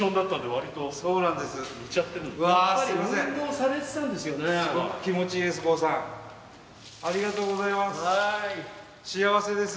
ありがとうございます。